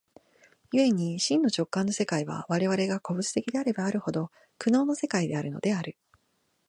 故に真の直観の世界は、我々が個物的であればあるほど、苦悩の世界であるのである。